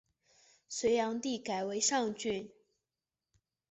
隋炀帝改为上郡。